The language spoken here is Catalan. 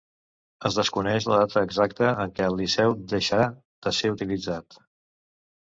Es desconeix la data exacta en què el Liceu deixà de ser utilitzat.